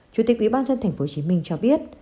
chủ tịch ủy ban dân tp hcm cho biết